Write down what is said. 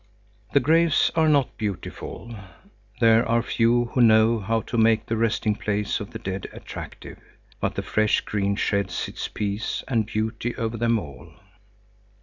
The graves are not beautiful. There are few who know how to make the resting place of the dead attractive. But the fresh green sheds its peace and beauty over them all.